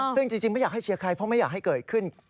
ซึ่งจริงไม่อยากให้เชียร์ใครเพราะไม่อยากให้เกิดขึ้น